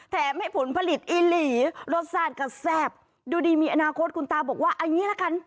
แถมให้ผลผลิตอีหลีรสชาติก็แซ่บดูดีมีอนาคตคุณตาบอกว่าเอางี้ละกัน